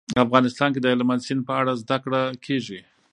افغانستان کې د هلمند سیند په اړه زده کړه کېږي.